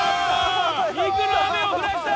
肉の雨を降らせた！